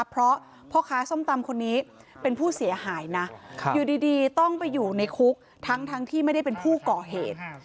เพราะพ่อค้าส้มตำคนนี้เป็นผู้เสียหายนะอยู่ดีต้องไปอยู่ในคุกทั้งที่ไม่ได้เป็นผู้ก่อเหตุ